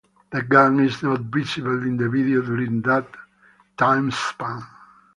The gun is not visible in the video during that timespan.